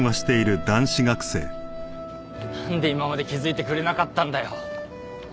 なんで今まで気づいてくれなかったんだよ。